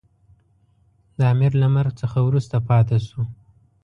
د امیر له مرګ څخه وروسته پاته شو.